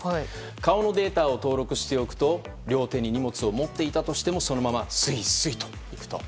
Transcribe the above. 顔のデータを登録しておくと両手に荷物を持っていたとしてもそのまますいすい行くと。